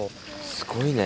すごいね。